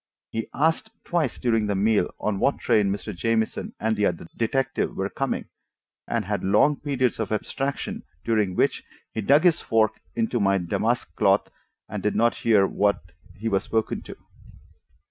He asked twice during the meal on what train Mr. Jamieson and the other detective were coming, and had long periods of abstraction during which he dug his fork into my damask cloth and did not hear when he was spoken to.